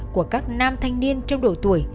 của các nam thanh niên trong độ tuổi